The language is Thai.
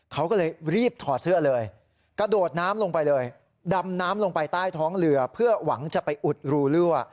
เขาก็เลยรีบถอดเสื้อเลยกระโดดน้ำลงไปเลยดำน้ำลงไปใต้ท้องเรือเพื่อหวังจะไปอุดรูรั่ว